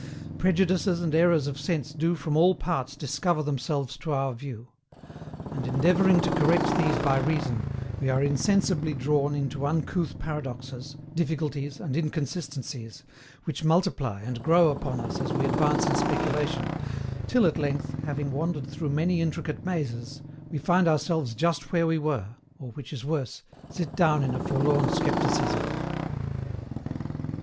Prejudices and errors of sense do from all parts discover themselves to our view; and, endeavouring to correct these by reason, we are insensibly drawn into uncouth paradoxes, difficulties, and inconsistencies, which multiply and grow upon us as we advance in speculation, till at length, having wandered through many intricate mazes, we find ourselves just where we were, or, which is worse, sit down in a forlorn Scepticism.